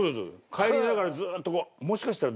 帰りながらずっとこうもしかしたら。